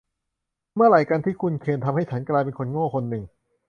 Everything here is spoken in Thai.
เมื่อไหร่กันที่คุณเคนทำให้ฉันกลายเป็นคนโง่คนหนึ่ง